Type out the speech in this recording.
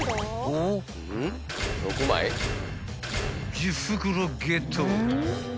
［１０袋ゲット］